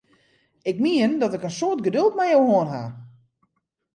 Ik mien dat ik in soad geduld mei jo hân ha!